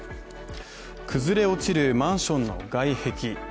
崩れ落ちるマンションの外壁